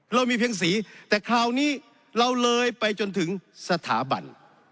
เรามีเพียงสีแต่คราวนี้เราเลยไปจนถึงสถาบัน